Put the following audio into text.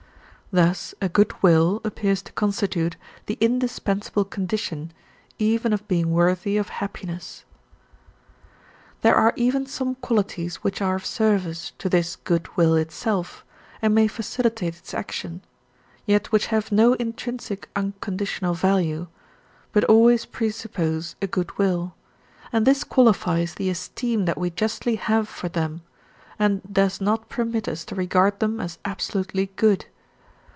Thus a good will appears to constitute the indispensable condition even of being worthy of happiness. There are even some qualities which are of service to this good will itself and may facilitate its action, yet which have no intrinsic unconditional value, but always presuppose a good will, and this qualifies the esteem that we justly have for them and does not permit us to regard them as absolutely good.